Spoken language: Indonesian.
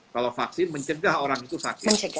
kalau vaksin mencegah orang itu sakit